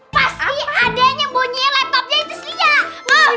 pasti adanya bunyi laptopnya inces lia